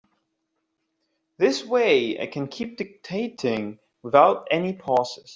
This way I can keep dictating without any pauses.